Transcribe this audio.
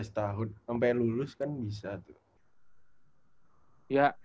sampai lulus kan bisa